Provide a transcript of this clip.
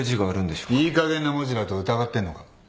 いいかげんな文字だと疑ってんのか？